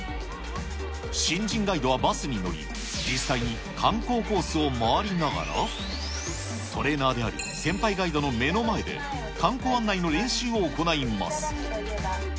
新人ガイドはバスに乗り、実際に観光コースを回りながら、トレーナーである先輩ガイドの目の前で観光案内の練習を行います。